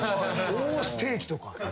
大ステーキとか。